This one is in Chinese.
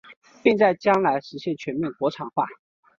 并在将来实现全面国产化。